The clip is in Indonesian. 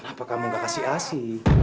kenapa kamu nggak kasih asi